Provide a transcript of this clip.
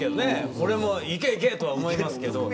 俺もいけいけと思いますけどね。